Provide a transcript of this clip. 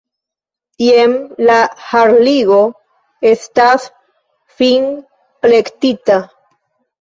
Jen, la harligo estas finplektita!